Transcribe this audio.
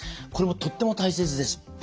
これもとっても大切です。